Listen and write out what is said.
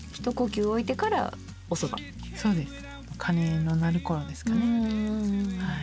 鐘の鳴る頃ですかねはい。